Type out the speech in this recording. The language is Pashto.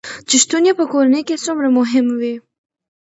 چې شتون يې په کورنے کې څومره مهم وي